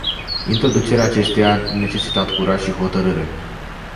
Introducerea acesteia a necesitat curaj și hotărâre.